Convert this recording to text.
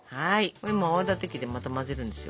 これも泡立て器でまた混ぜるんですよ。